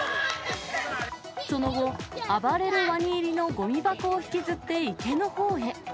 その後、暴れるワニ入りのごみ箱を引きずって池のほうへ。